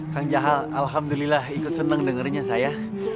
kang jahal alhamdulillah ikut senang dengernya saya